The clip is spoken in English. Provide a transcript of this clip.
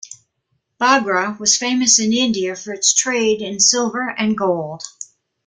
Bagra was famous in India for its trade in silver and gold.